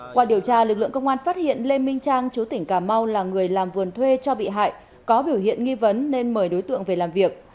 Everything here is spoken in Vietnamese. qua điều tra lực lượng công an phát hiện lê minh trang chú tỉnh cà mau là người làm vườn thuê cho bị hại có biểu hiện nghi vấn nên mời đối tượng về làm việc